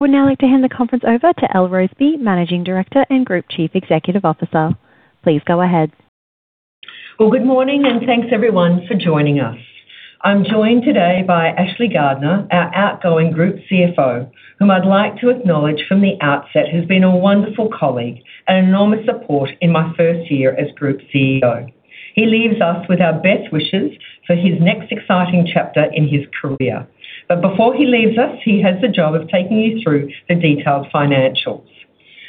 We'd now like to hand the conference over to Elle Roseby, Managing Director and Group Chief Executive Officer. Please go ahead. Well, good morning, and thanks everyone for joining us. I'm joined today by Ashley Gardner, our outgoing Group CFO, whom I'd like to acknowledge from the outset, who's been a wonderful colleague and enormous support in my first year as Group CEO. He leaves us with our best wishes for his next exciting chapter in his career. Before he leaves us, he has the job of taking you through the detailed financials.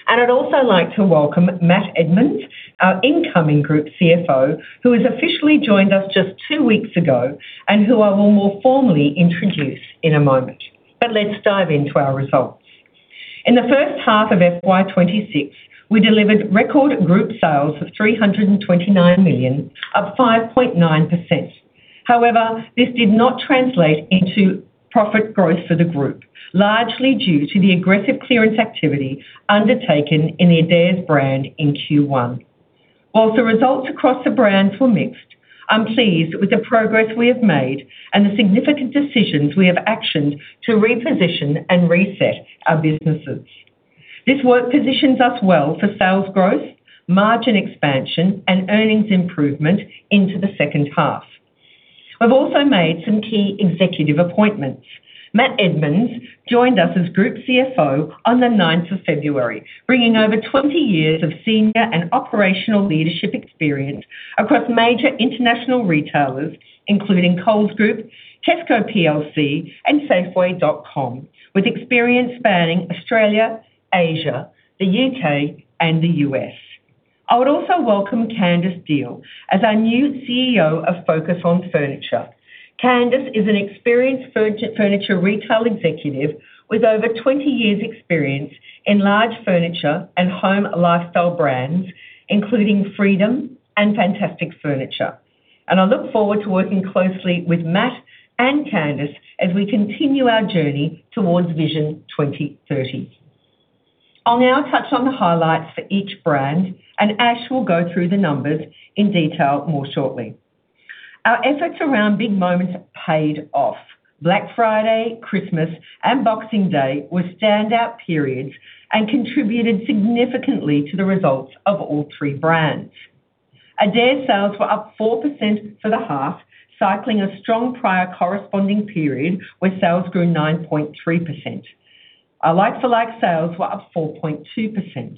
I'd also like to welcome Matt Edmonds, our incoming Group CFO, who has officially joined us just 2 weeks ago, and who I will more formally introduce in a moment. Let's dive into our results. In the first half of FY 2026, we delivered record group sales of 329 million, up 5.9%. However, this did not translate into profit growth for the group, largely due to the aggressive clearance activity undertaken in the Adairs brand in Q1. While the results across the brands were mixed, I'm pleased with the progress we have made and the significant decisions we have actioned to reposition and reset our businesses. This work positions us well for sales growth, margin expansion, and earnings improvement into the second half. We've also made some key executive appointments. Matt Edmonds joined us as Group CFO on the 9th of February, bringing over 20 years of senior and operational leadership experience across major international retailers, including Coles Group, Tesco PLC, and Safeway.com, with experience spanning Australia, Asia, the U.K., and the U.S. I would also welcome Candice Deale as our new CEO of Focus on Furniture. Candice is an experienced furniture retail executive with over 20 years experience in large furniture and home lifestyle brands, including Freedom and Fantastic Furniture. I look forward to working closely with Matt and Candice as we continue our journey towards Vision 2030. I'll now touch on the highlights for each brand, and Ash will go through the numbers in detail more shortly. Our efforts around big moments paid off. Black Friday, Christmas, and Boxing Day were standout periods and contributed significantly to the results of all three brands. Adairs sales were up 4% for the half, cycling a strong prior corresponding period, where sales grew 9.3%. Our like-for-like sales were up 4.2%.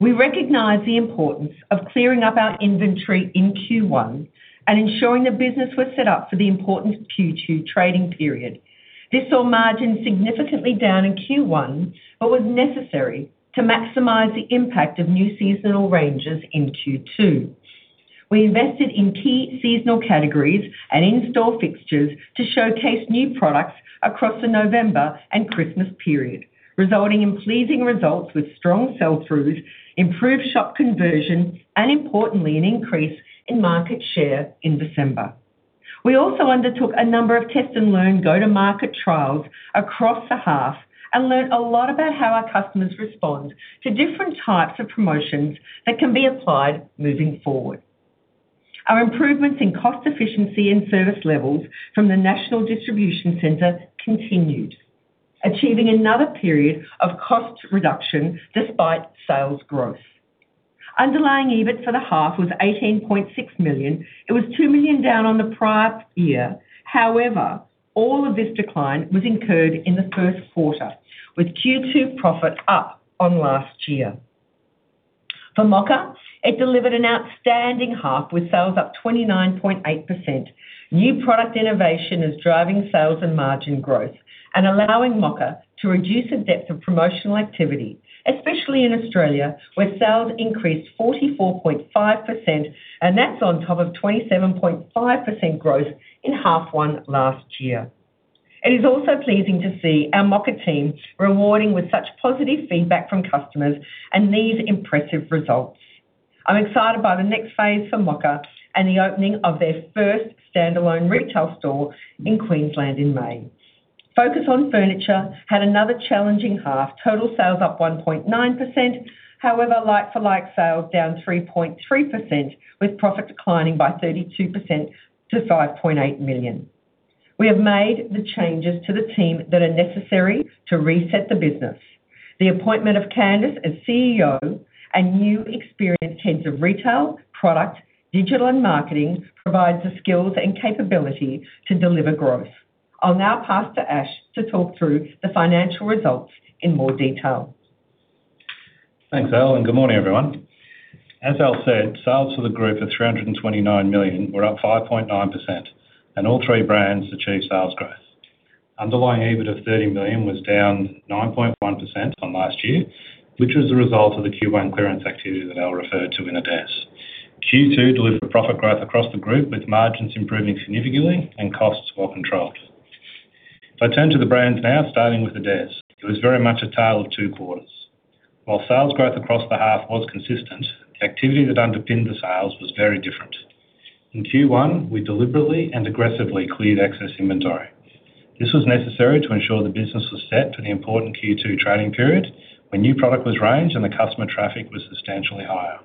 We recognize the importance of clearing up our inventory in Q1 and ensuring the business was set up for the important Q2 trading period. This saw margins significantly down in Q1, but was necessary to maximize the impact of new seasonal ranges in Q2. We invested in key seasonal categories and in-store fixtures to showcase new products across the November and Christmas period, resulting in pleasing results with strong sell-through, improved shop conversion, and importantly, an increase in market share in December. We also undertook a number of test-and-learn go-to-market trials across the half, and learned a lot about how our customers respond to different types of promotions that can be applied moving forward. Our improvements in cost efficiency and service levels from the National Distribution Center continued, achieving another period of cost reduction despite sales growth. Underlying EBIT for the half was 18.6 million. It was 2 million down on the prior year. All of this decline was incurred in the first quarter, with Q2 profits up on last year. For Mocka, it delivered an outstanding half, with sales up 29.8%. New product innovation is driving sales and margin growth and allowing Mocka to reduce the depth of promotional activity, especially in Australia, where sales increased 44.5%, and that's on top of 27.5% growth in half one last year. It is also pleasing to see our Mocka team rewarding with such positive feedback from customers and these impressive results. I'm excited by the next phase for Mocka and the opening of their first standalone retail store in Queensland in May. Focus on Furniture had another challenging half. Total sales up 1.9%. However, like-for-like sales down 3.3%, with profit declining by 32% to 5.8 million. We have made the changes to the team that are necessary to reset the business. The appointment of Candice as CEO and new experienced heads of retail, product, digital, and marketing provides the skills and capability to deliver growth. I'll now pass to Ash to talk through the financial results in more detail. Thanks, Elle. Good morning, everyone. As Elle said, sales to the group of 329 million were up 5.9%, and all three brands achieved sales growth. Underlying EBIT of 13 million was down 9.1% on last year, which was a result of the Q1 clearance activity that Elle referred to in Adairs. Q2 delivered profit growth across the group, with margins improving significantly and costs well controlled. If I turn to the brands now, starting with Adairs, it was very much a tale of two quarters. While sales growth across the half was consistent, the activity that underpinned the sales was very different. In Q1, we deliberately and aggressively cleared excess inventory. This was necessary to ensure the business was set for the important Q2 trading period, when new product was ranged and the customer traffic was substantially higher.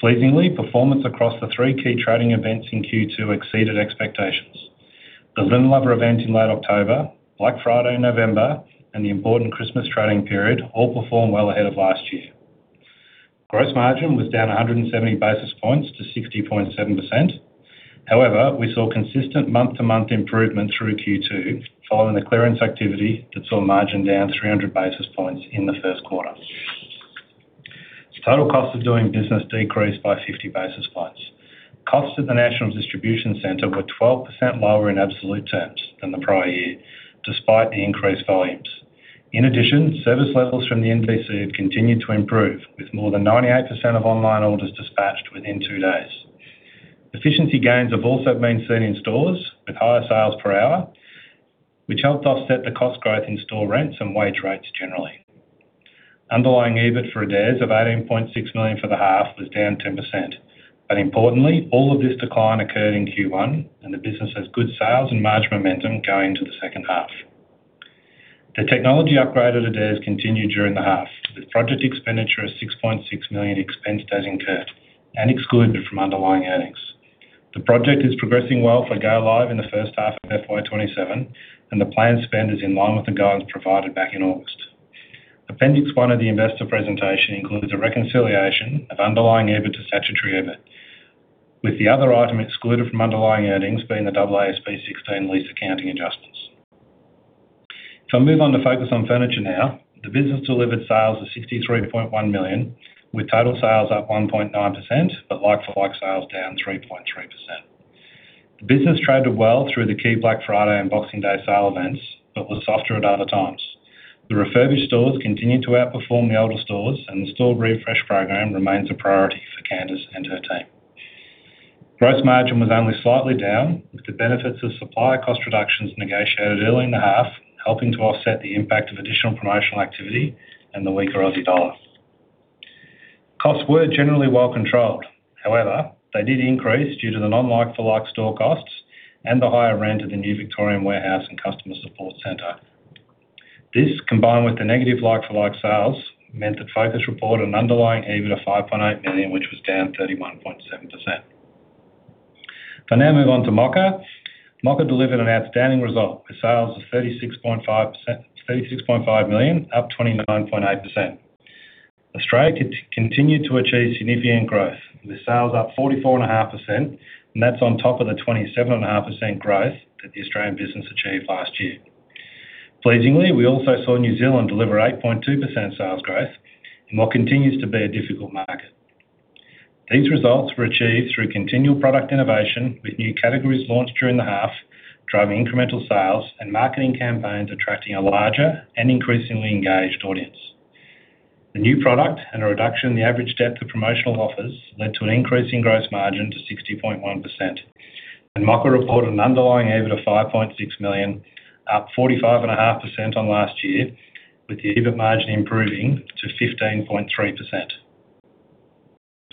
Pleasingly, performance across the 3 key trading events in Q2 exceeded expectations. The Linen Lover event in late October, Black Friday in November, and the important Christmas trading period, all performed well ahead of last year. Gross margin was down 170 basis points to 60.7%. However, we saw consistent month-to-month improvement through Q2, following the clearance activity that saw margin down 300 basis points in the first quarter. Total cost of doing business decreased by 50 basis points. Costs at the National Distribution Center were 12% lower in absolute terms than the prior year, despite the increased volumes. In addition, service levels from the NDC have continued to improve, with more than 98% of online orders dispatched within two days. Efficiency gains have also been seen in stores, with higher sales per hour, which helped offset the cost growth in store rents and wage rates generally. Underlying EBIT for Adairs of 18.6 million for the half was down 10%. Importantly, all of this decline occurred in Q1, and the business has good sales and margin momentum going to the second half. The technology upgrade at Adairs continued during the half, with project expenditure of 6.6 million expense days incurred and excluded from underlying earnings. The project is progressing well for go-live in the first half of FY 2027, and the planned spend is in line with the guidance provided back in August. Appendix 1 of the investor presentation includes a reconciliation of underlying EBIT to statutory EBIT, with the other item excluded from underlying earnings being the AASB 16 lease accounting adjustments. If I move on to Focus on Furniture now, the business delivered sales of 63.1 million, with total sales up 1.9%, but like-for-like sales down 3.3%. The business traded well through the key Black Friday and Boxing Day sale events, but was softer at other times. The refurbished stores continued to outperform the older stores, and the store refresh program remains a priority for Candice and her team. Gross margin was only slightly down, with the benefits of supplier cost reductions negotiated early in the half, helping to offset the impact of additional promotional activity and the weaker Aussie dollar. Costs were generally well controlled. However, they did increase due to the non-like-for-like store costs and the higher rent of the new Victorian warehouse and customer support center. This, combined with the negative like-for-like sales, meant that Focus reported an underlying EBIT of 5.8 million, which was down 31.7%. I'll now move on to Mocka. Mocka delivered an outstanding result, with sales of 36.5, 36.5 million, up 29.8%. Australia continued to achieve significant growth, with sales up 44.5%. That's on top of the 27.5% growth that the Australian business achieved last year. Pleasingly, we also saw New Zealand deliver 8.2% sales growth in what continues to be a difficult market. These results were achieved through continual product innovation, with new categories launched during the half, driving incremental sales and marketing campaigns, attracting a larger and increasingly engaged audience. The new product and a reduction in the average depth of promotional offers led to an increase in gross margin to 60.1%. Mocka reported an underlying EBIT of 5.6 million, up 45.5% on last year, with the EBIT margin improving to 15.3%.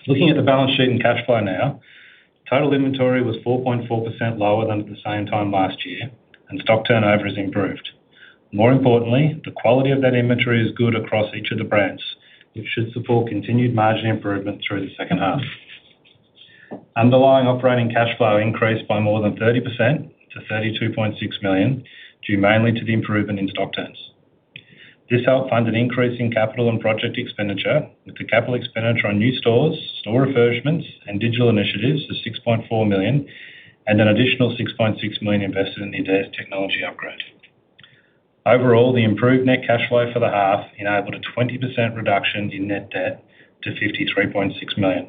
Looking at the balance sheet and cash flow now, total inventory was 4.4% lower than at the same time last year, and stock turnover has improved. More importantly, the quality of that inventory is good across each of the brands, which should support continued margin improvement through the second half. Underlying operating cash flow increased by more than 30% to 32.6 million, due mainly to the improvement in stock turns. This helped fund an increase in capital and project expenditure, with the capital expenditure on new stores, store refurbishments, and digital initiatives of 6.4 million, and an additional 6.6 million invested in the Adairs technology upgrade. Overall, the improved net cash flow for the half enabled a 20% reduction in net debt to 53.6 million.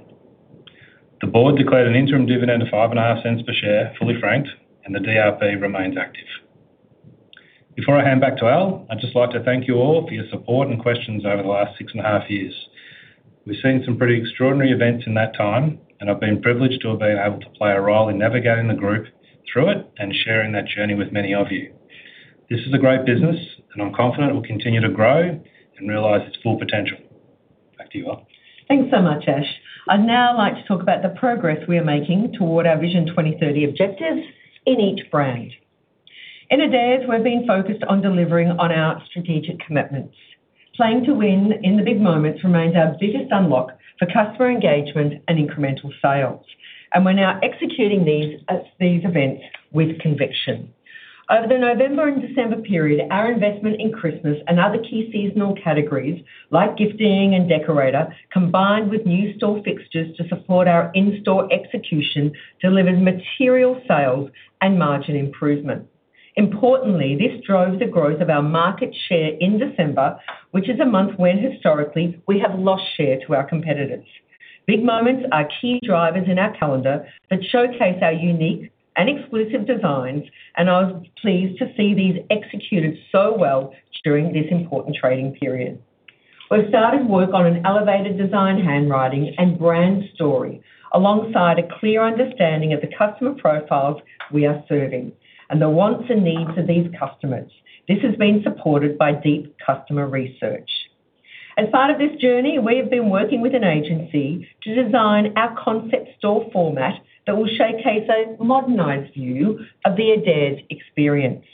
The board declared an interim dividend of 0.055 per share, fully franked, and the DRP remains active. Before I hand back to Al, I'd just like to thank you all for your support and questions over the last six and a half years. We've seen some pretty extraordinary events in that time, and I've been privileged to have been able to play a role in navigating the group through it and sharing that journey with many of you. This is a great business, and I'm confident it will continue to grow and realize its full potential. Back to you, Elle. Thanks so much, Ash. I'd now like to talk about the progress we are making toward our Vision 2030 objectives in each brand. In Adairs, we've been focused on delivering on our strategic commitments. Playing to win in the big moments remains our biggest unlock for customer engagement and incremental sales. We're now executing these at these events with conviction. Over the November and December period, our investment in Christmas and other key seasonal categories, like gifting and decorator, combined with new store fixtures to support our in-store execution, delivered material sales and margin improvement. Importantly, this drove the growth of our market share in December, which is a month when historically, we have lost share to our competitors. Big moments are key drivers in our calendar that showcase our unique and exclusive designs. I was pleased to see these executed so well during this important trading period. We've started work on an elevated design handwriting and brand story, alongside a clear understanding of the customer profiles we are serving and the wants and needs of these customers. This has been supported by deep customer research. As part of this journey, we have been working with an agency to design our concept store format that will showcase a modernized view of the Adairs experience.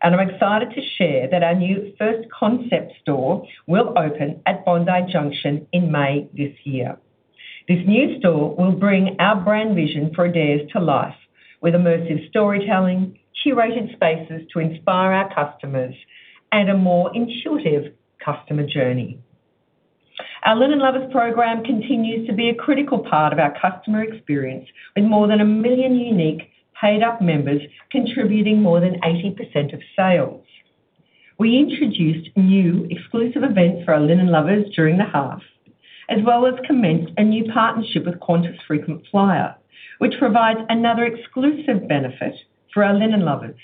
I'm excited to share that our new first concept store will open at Bondi Junction in May this year. This new store will bring our brand vision for Adairs to life, with immersive storytelling, curated spaces to inspire our customers, and a more intuitive customer journey. Our Linen Lovers program continues to be a critical part of our customer experience, with more than 1 million unique paid-up members contributing more than 80% of sales. We introduced new exclusive events for our Linen Lovers during the half, as well as commenced a new partnership with Qantas Frequent Flyer, which provides another exclusive benefit for our Linen Lovers.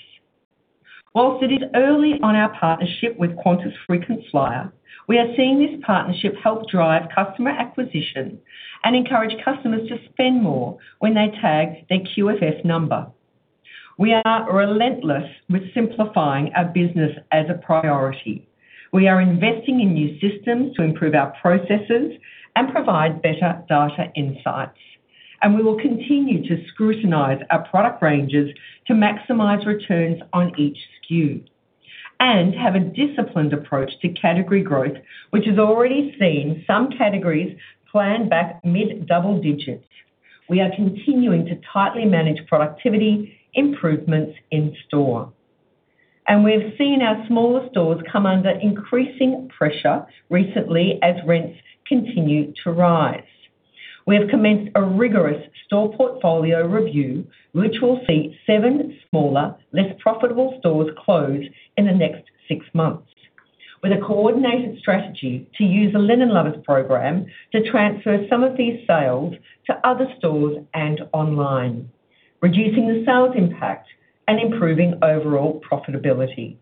Whilst it is early on our partnership with Qantas Frequent Flyer, we are seeing this partnership help drive customer acquisition and encourage customers to spend more when they tag their QFF number. We are relentless with simplifying our business as a priority. We are investing in new systems to improve our processes and provide better data insights. We will continue to scrutinize our product ranges to maximize returns on each SKU, and have a disciplined approach to category growth, which has already seen some categories plan back mid-double digits. We are continuing to tightly manage productivity improvements in store, and we've seen our smaller stores come under increasing pressure recently as rents continue to rise. We have commenced a rigorous store portfolio review, which will see seven smaller, less profitable stores close in the next six months, with a coordinated strategy to use the Linen Lovers program to transfer some of these sales to other stores and online, reducing the sales impact and improving overall profitability.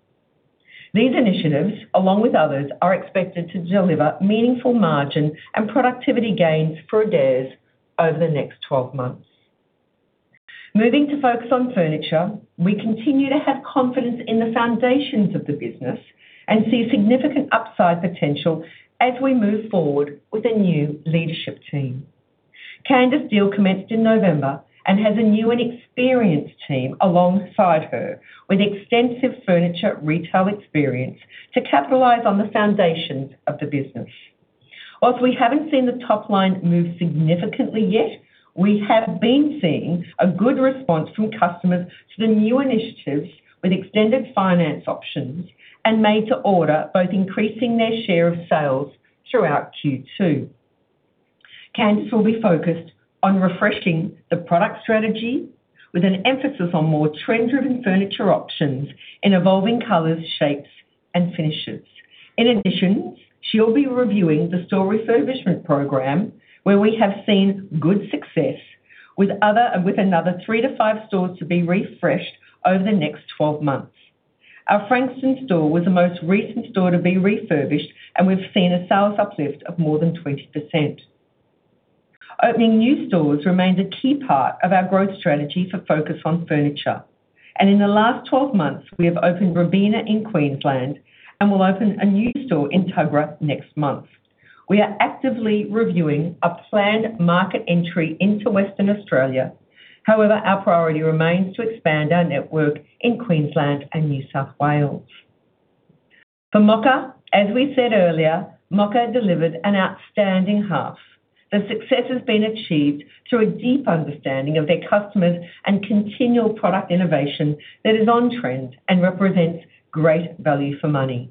These initiatives, along with others, are expected to deliver meaningful margin and productivity gains for Adairs over the next 12 months. Moving to Focus on Furniture, we continue to have confidence in the foundations of the business and see significant upside potential as we move forward with a new leadership team. Candice Deale commenced in November and has a new and experienced team alongside her, with extensive furniture retail experience to capitalize on the foundations of the business. Whilst we haven't seen the top line move significantly yet, we have been seeing a good response from customers to the new initiatives, with extended finance options and made to order, both increasing their share of sales throughout Q2. Candice will be focused on refreshing the product strategy, with an emphasis on more trend-driven furniture options in evolving colors, shapes, and finishes. In addition, she'll be reviewing the store refurbishment program, where we have seen good success with another 3 to 5 stores to be refreshed over the next 12 months. Our Frankston store was the most recent store to be refurbished, and we've seen a sales uplift of more than 20%. Opening new stores remains a key part of our growth strategy for Focus on Furniture, and in the last 12 months, we have opened Robina in Queensland, and we'll open a new store in Tuggerah next month. We are actively reviewing a planned market entry into Western Australia. However, our priority remains to expand our network in Queensland and New South Wales. For Mocka, as we said earlier, Mocka delivered an outstanding half. The success has been achieved through a deep understanding of their customers and continual product innovation that is on trend and represents great value for money.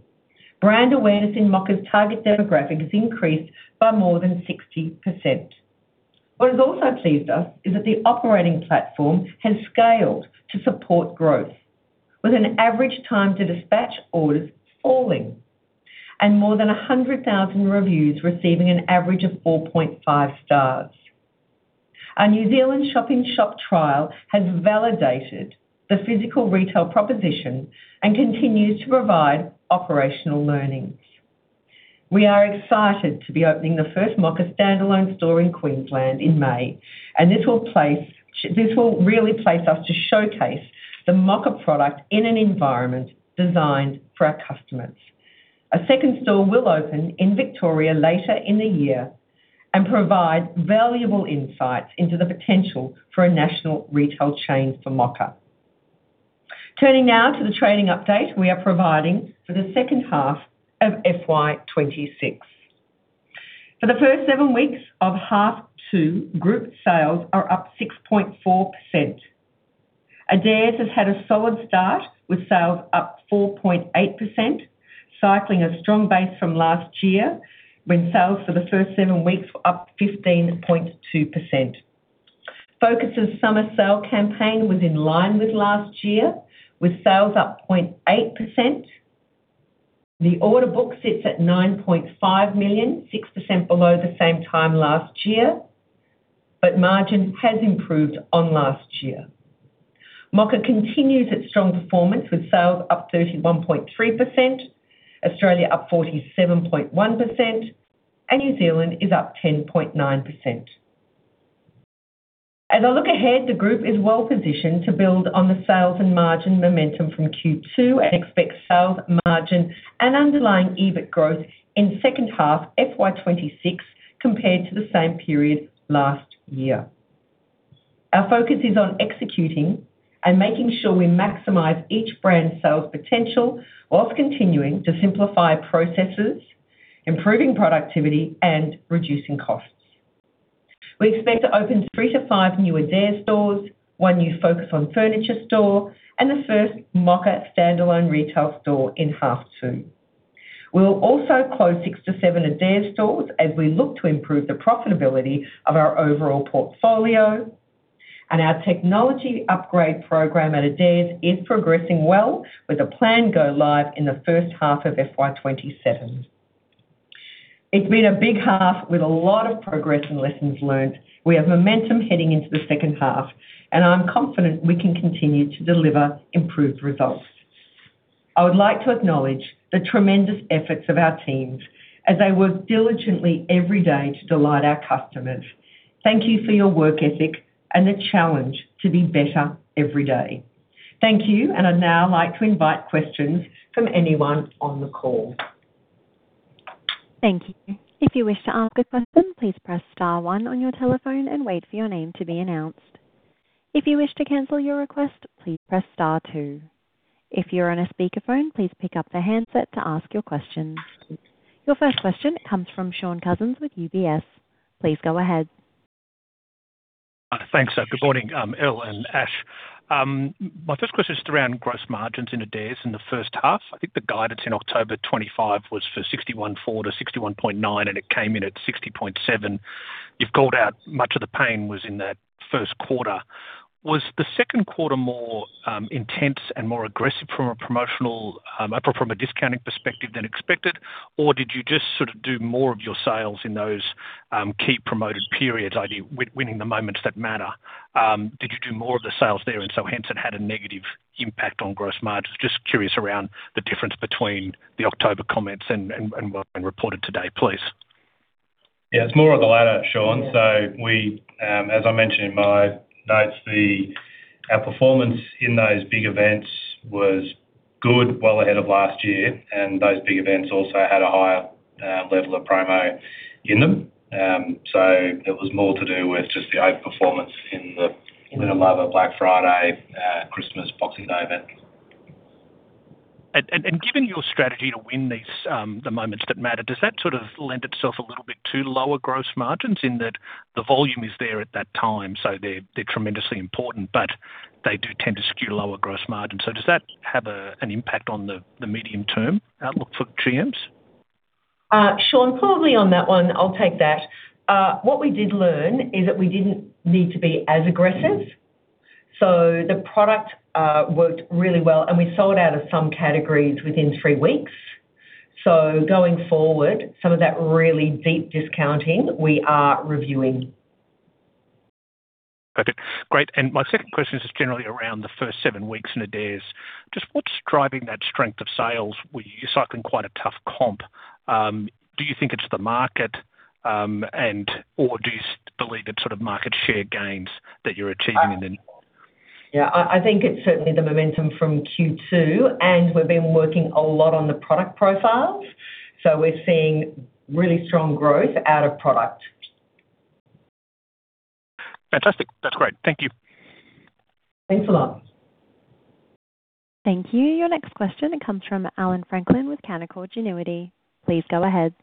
Brand awareness in Mocka's target demographic has increased by more than 60%. What has also pleased us is that the operating platform has scaled to support growth, with an average time to dispatch orders falling and more than 100,000 reviews receiving an average of 4.5 stars. Our New Zealand shop-in-shop trial has validated the physical retail proposition and continues to provide operational learnings. We are excited to be opening the first Mocka standalone store in Queensland in May, and this will really place us to showcase the Mocka product in an environment designed for our customers. A second store will open in Victoria later in the year and provide valuable insights into the potential for a national retail chain for Mocka. Turning now to the trading update we are providing for the second half of FY 2026. For the first 7 weeks of H2, group sales are up 6.4%. Adairs has had a solid start, with sales up 4.8%, cycling a strong base from last year, when sales for the first 7 weeks were up 15.2%. Focus's summer sale campaign was in line with last year, with sales up 0.8%. The order book sits at 9.5 million, 6% below the same time last year, but margin has improved on last year. Mocka continues its strong performance, with sales up 31.3%, Australia up 47.1%, and New Zealand is up 10.9%. As I look ahead, the group is well positioned to build on the sales and margin momentum from Q2 and expects sales, margin, and underlying EBIT growth in the second half of FY 2026 compared to the same period last year. Our focus is on executing and making sure we maximize each brand's sales potential, while continuing to simplify processes, improving productivity, and reducing costs. We expect to open 3-5 new Adairs stores, 1 new Focus on Furniture store, and the first Mocka standalone retail store in half 2. We will also close 6-7 Adairs stores as we look to improve the profitability of our overall portfolio, and our technology upgrade program at Adairs is progressing well, with a planned go live in the first half of FY 27. It's been a big half with a lot of progress and lessons learned. We have momentum heading into the second half, and I'm confident we can continue to deliver improved results. I would like to acknowledge the tremendous efforts of our teams as they work diligently every day to delight our customers. Thank you for your work ethic and the challenge to be better every day. Thank you, and I'd now like to invite questions from anyone on the call. Thank you. If you wish to ask a question, please press star one on your telephone and wait for your name to be announced. If you wish to cancel your request, please press star two. If you're on a speakerphone, please pick up the handset to ask your question. Your first question comes from Shaun Cousins with UBS. Please go ahead. Thanks. Good morning, Elle and Ash. My first question is around gross margins in Adairs in the first half. I think the guidance in October 25 was for 61.4%-61.9%, and it came in at 60.7%. You've called out much of the pain was in that first quarter. Was the second quarter more intense and more aggressive from a promotional or from a discounting perspective than expected? Did you just sort of do more of your sales in those key promoted periods, idea winning the moments that matter? Did you do more of the sales there, and so hence it had a negative impact on gross margins? Just curious around the difference between the October comments and, and, and what was reported today, please. Yeah, it's more of the latter, Shaun. We, as I mentioned in my notes, our performance in those big events was good, well ahead of last year, and those big events also had a higher level of promo in them. It was more to do with just the overperformance in the Linen Lover, Black Friday, Christmas, Boxing Day event. Given your strategy to win these, the moments that matter, does that sort of lend itself a little bit to lower gross margins in that the volume is there at that time, so they're, they're tremendously important, but they do tend to skew lower gross margins. Does that have a, an impact on the, the medium-term outlook for GM's? Shaun, probably on that one, I'll take that. What we did learn is that we didn't need to be as aggressive, so the product, worked really well, and we sold out of some categories within three weeks. Going forward, some of that really deep discounting, we are reviewing. Okay, great. My second question is just generally around the first seven weeks in Adairs. Just what's driving that strength of sales? you're cycling quite a tough comp. Do you think it's the market, and or do you believe it's sort of market share gains that you're achieving in the. Yeah, I, I think it's certainly the momentum from Q2, and we've been working a lot on the product profiles, so we're seeing really strong growth out of product. Fantastic. That's great. Thank you. Thanks a lot. Thank you. Your next question comes from Allan Franklin with Canaccord Genuity. Please go ahead.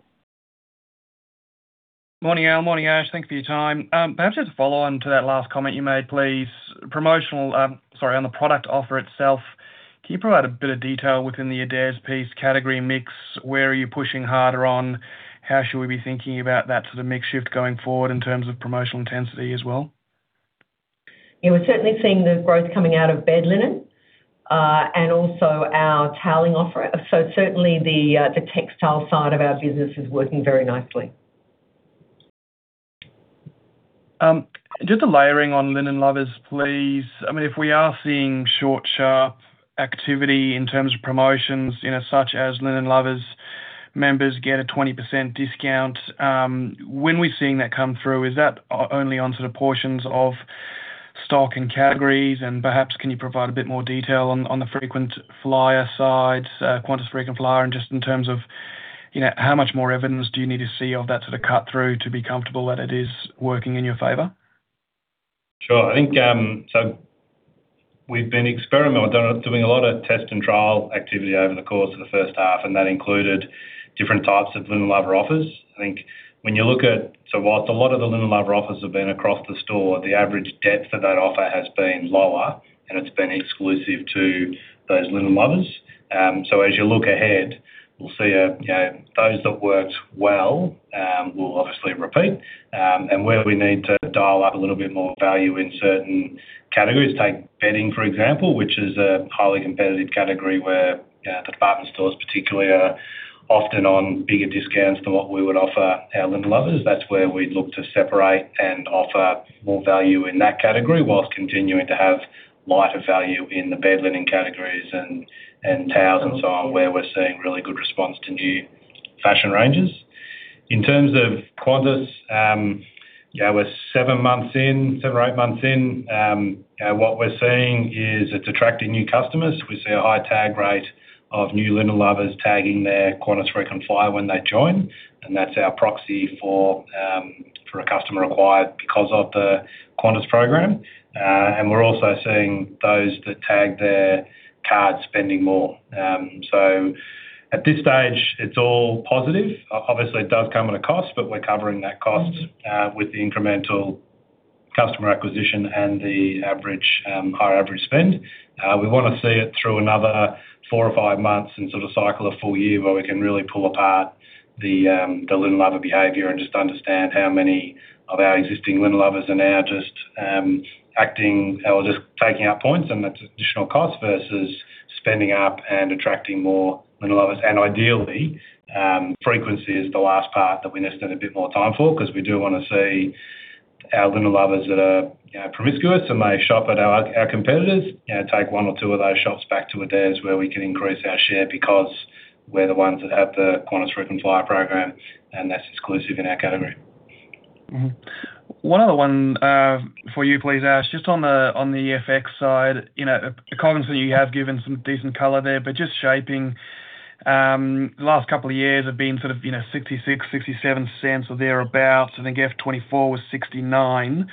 Morning, Elle. Morning, Ashley. Thanks for your time. Perhaps just a follow-on to that last comment you made, please. Promotional, sorry, on the product offer itself, can you provide a bit of detail within the Adairs piece category mix? Where are you pushing harder on? How should we be thinking about that sort of mix shift going forward in terms of promotional intensity as well? Yeah, we're certainly seeing the growth coming out of bed linen, and also our toweling offer. Certainly the textile side of our business is working very nicely. Just a layering on Linen Lovers, please. I mean, if we are seeing short, sharp activity in terms of promotions, you know, such as Linen Lovers, members get a 20% discount, when we're seeing that come through, is that only on sort of portions of stock and categories? Perhaps, can you provide a bit more detail on the frequent flyer sides, Qantas Frequent Flyer, and just in terms of, you know, how much more evidence do you need to see of that sort of cut-through to be comfortable that it is working in your favor? Sure. I think, so we've been doing a lot of test and trial activity over the course of the first half, and that included different types of Linen Lover offers. I think when you look at, so whilst a lot of the Linen Lover offers have been across the store, the average depth of that offer has been lower, and it's been exclusive to those Linen Lovers. As you look ahead, we'll see a, you know, those that worked well, we'll obviously repeat. Where we need to dial up a little bit more value in certain categories, take bedding, for example, which is a highly competitive category where, you know, the department stores particularly are often on bigger discounts than what we would offer our Linen Lovers. That's where we'd look to separate and offer more value in that category, whilst continuing to have lighter value in the bed linen categories and, and towels and so on, where we're seeing really good response to new fashion ranges. In terms of Qantas, yeah, we're 7 months in, 7 or 8 months in. What we're seeing is it's attracting new customers. We see a high tag rate of new Linen Lovers tagging their Qantas Frequent Flyer when they join, and that's our proxy for a customer acquired because of the Qantas program. We're also seeing those that tag their card spending more. At this stage, it's all positive. Obviously, it does come at a cost, but we're covering that cost with the incremental customer acquisition and the average, higher average spend. We wanna see it through another four or five months and sort of cycle a full year where we can really pull apart the Linen Lover behavior and just understand how many of our existing Linen Lovers are now just acting or just taking out points, and that's additional cost versus spending up and attracting more Linen Lovers. Ideally, frequency is the last part that we need to spend a bit more time for, 'cause we do wanna see our Linen Lovers that are promiscuous and may shop at our, our competitors, you know, take one or two of those shops back to Adairs, where we can increase our share because we're the ones that have the Qantas Frequent Flyer program, and that's exclusive in our category. One other one for you, please, Ash. Just on the, on the FX side, you know, obviously, you have given some decent color there, but just shaping, the last couple of years have been sort of, you know, 0.66, 0.67 or thereabout. I think FY 2024 was 0.69.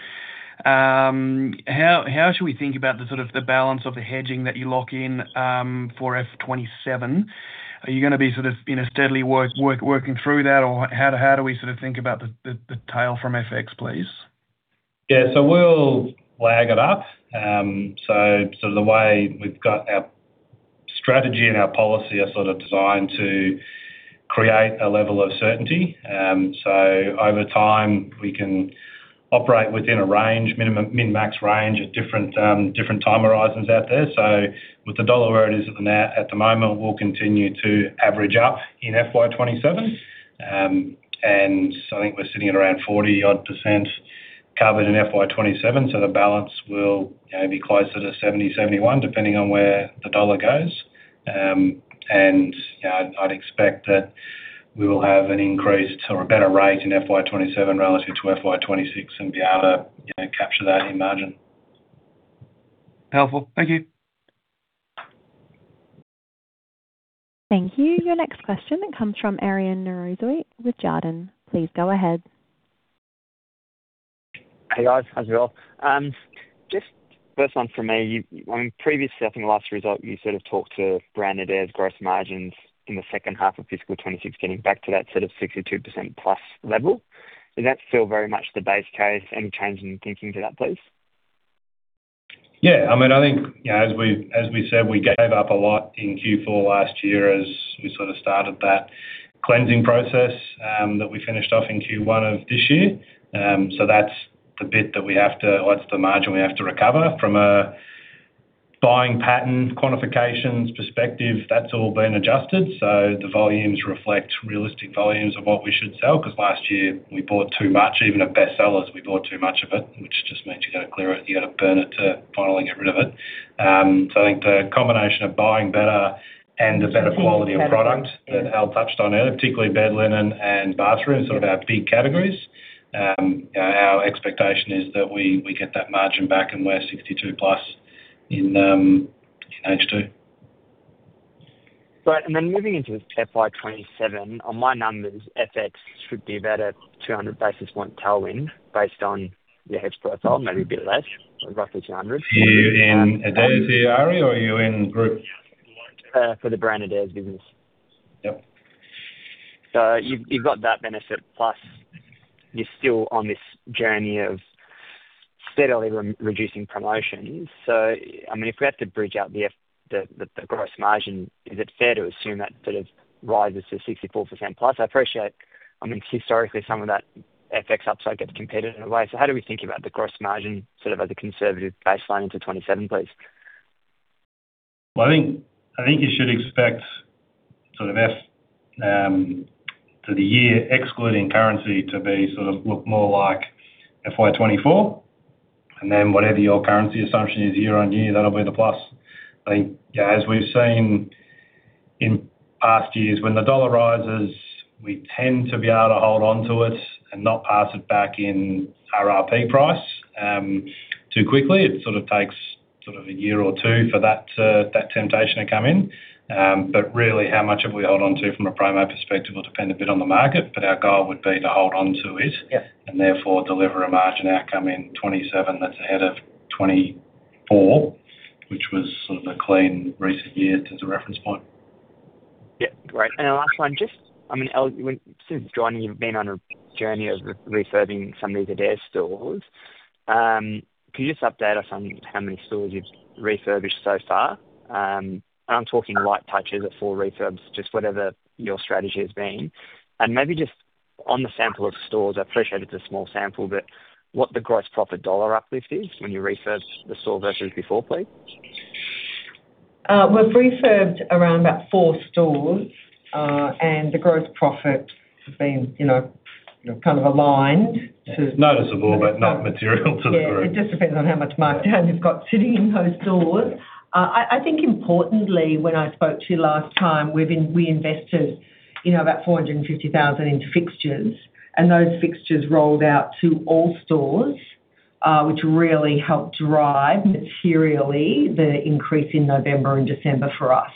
How, how should we think about the sort of the balance of the hedging that you lock in for FY 2027? Are you gonna be sort of, you know, steadily work, work, working through that? Or how, how do we sort of think about the, the, the tail from FX, please? Yeah. We'll lag it up. The way we've got our strategy and our policy are sort of designed to create a level of certainty. Over time, we can operate within a range, minimum, min-max range at different, different time horizons out there. With the dollar where it is at the moment, we'll continue to average up in FY 2027. I think we're sitting at around 40% odd covered in FY 2027, so the balance will, you know, be closer to 70, 71, depending on where the dollar goes. You know, I'd, I'd expect that we will have an increased or a better rate in FY 2027 relative to FY 2026 and be able to, you know, capture that in margin. Powerful. Thank you. Thank you. Your next question comes from Aryan Norozi with Jarden. Please go ahead. Hey, guys. How's it all? Just first one for me. On previous, I think, last result, you sort of talked to Brand Adairs' gross margins in the second half of fiscal 2026, getting back to that sort of 62% plus level. Does that feel very much the base case? Any change in thinking to that, please? Yeah, I mean, I think, you know, as we, as we said, we gave up a lot in Q4 last year as we sort of started that cleansing process, that we finished off in Q1 of this year. That's the bit that we have to-- or that's the margin we have to recover. From a buying pattern, qualifications, perspective, that's all been adjusted, so the volumes reflect realistic volumes of what we should sell, 'cause last year we bought too much. Even at best sellers, we bought too much of it, which just means you gotta clear it, you gotta burn it to finally get rid of it. I think the combination of buying better and a better quality of product- Yeah. -that Elle touched on earlier, particularly bed linen and bathroom, sort of our big categories, our expectation is that we, we get that margin back, and we're 62 plus in H2. Right. Then moving into FY 2027, on my numbers, FX should be about a 200 basis point tailwind, based on your hedge profile, maybe a bit less, roughly 200. Are you in Adairs, Aryan, or are you in group? For the Brand Adairs business. Yep. You've, you've got that benefit, plus you're still on this journey of steadily re-reducing promotions. I mean, if we have to bridge out the gross margin, is it fair to assume that sort of rises to 64%+? I appreciate, I mean, historically, some of that FX upside gets competed away. How do we think about the gross margin, sort of as a conservative baseline into FY 2027, please? Well, I think, I think you should expect sort of F for the year, excluding currency, to be sort of look more like FY 2024. Then whatever your currency assumption is year on year, that'll be the plus. I think, yeah, as we've seen in past years, when the dollar rises, we tend to be able to hold on to it and not pass it back in RRP price too quickly. It sort of takes sort of a year or 2 for that, that temptation to come in. Really, how much have we held on to from a promo perspective will depend a bit on the market, but our goal would be to hold on to it- Yes. Therefore deliver a margin outcome in FY 2027 that's ahead of FY 2024, which was sort of a clean recent year since the reference point. Yeah. Great. The last one, just, I mean, Elle, since joining, you've been on a journey of refurbishing some of these Adairs stores. Can you just update us on how many stores you've refurbished so far? I'm talking light touches or full refurbs, just whatever your strategy has been. Maybe just on the sample of stores, I appreciate it's a small sample, but what the gross profit dollar uplift is when you refurb the store versus before, please? We've refurbed around about four stores, and the gross profit has been, you know, kind of aligned to- Noticeable, but not material to the group. Yeah. It just depends on how much markdown you've got sitting in those stores. I, I think importantly, when I spoke to you last time, we've been we invested, you know, about 450,000 into fixtures, and those fixtures rolled out to all stores. which really helped drive materially the increase in November and December for us.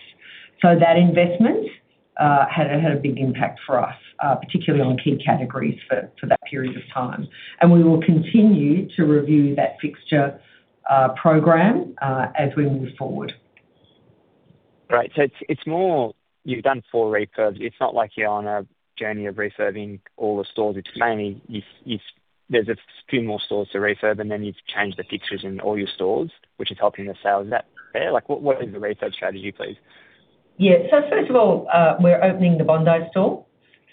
That investment had a big impact for us, particularly on key categories for, for that period of time. We will continue to review that fixture program as we move forward. Right. It's, it's more you've done 4 refurbs. It's not like you're on a journey of refurbing all the stores. It's mainly you've, there's a few more stores to refurb, and then you've changed the fixtures in all your stores, which is helping the sales. Is that fair? Like, what, what is the refurb strategy, please? Yeah. First of all, we're opening the Bondi store,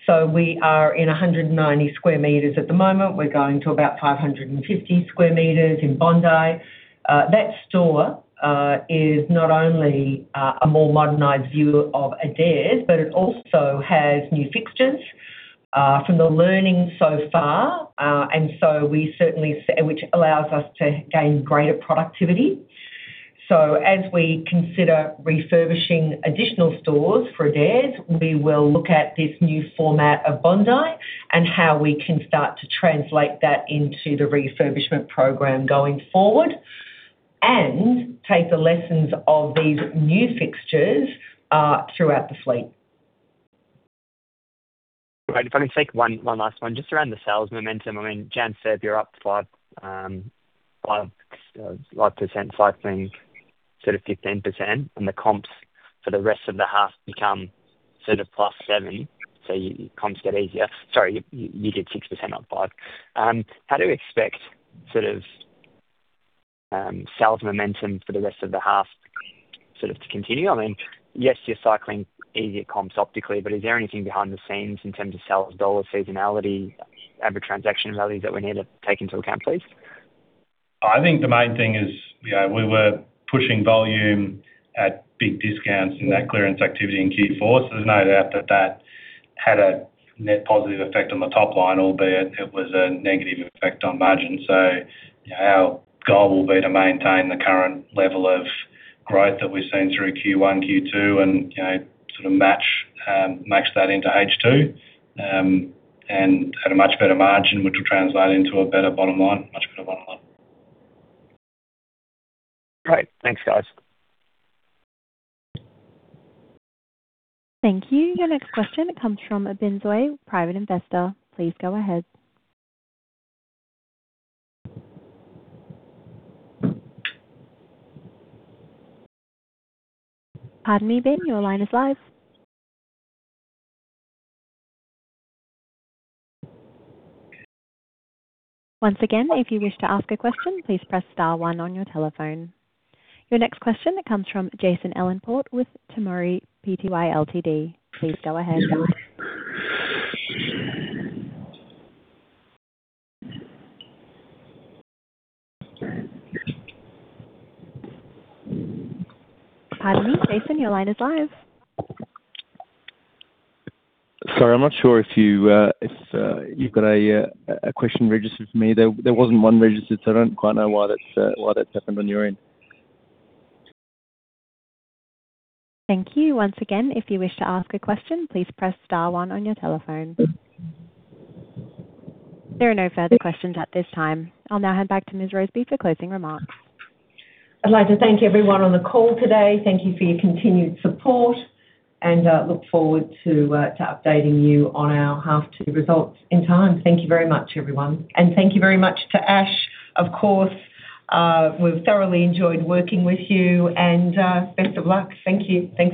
so we are in 190 square meters at the moment. We're going to about 550 square meters in Bondi. That store is not only a more modernized view of Adairs, but it also has new fixtures from the learning so far. we certainly se- which allows us to gain greater productivity. As we consider refurbishing additional stores for Adairs, we will look at this new format of Bondi and how we can start to translate that into the refurbishment program going forward, and take the lessons of these new fixtures throughout the fleet. Right. If I can take one, one last one, just around the sales momentum. I mean, Jan said you're up 5%, cycling sort of 15%, and the comps for the rest of the half become sort of +7%, so your comps get easier. Sorry, you, you did 6%, not 5%. How do you expect sort of sales momentum for the rest of the half, sort of to continue? I mean, yes, you're cycling easier comps optically, but is there anything behind the scenes in terms of sales, dollar seasonality, average transaction values that we need to take into account, please? I think the main thing is, you know, we were pushing volume at big discounts in that clearance activity in Q4. There's no doubt that that had a net positive effect on the top line, albeit it was a negative effect on margin. Our goal will be to maintain the current level of growth that we've seen through Q1, Q2, and, you know, sort of match, match that into H2. At a much better margin, which will translate into a better bottom line. Much better bottom line. Great. Thanks, guys. Thank you. Your next question comes from Ben Zoy, private investor. Please go ahead. Pardon me, Ben. Your line is live. Once again, if you wish to ask a question, please press star one on your telephone. Your next question comes from Jason Ellenport with Tomori Pty Ltd. Please go ahead. Pardon me, Jason, your line is live. Sorry, I'm not sure if you, if you've got a question registered for me. There, there wasn't one registered, so I don't quite know why that's why that's happened on your end. Thank you. Once again, if you wish to ask a question, please press star one on your telephone. There are no further questions at this time. I'll now head back to Ms. Roseby for closing remarks. I'd like to thank everyone on the call today. Thank you for your continued support, and look forward to updating you on our half two results in time. Thank you very much, everyone, and thank you very much to Ash, of course. We've thoroughly enjoyed working with you, and best of luck. Thank you. Thanks, everyone.